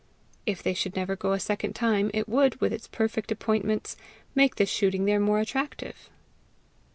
If they should never go a second time, it would, with its perfect appointments, make the shooting there more attractive!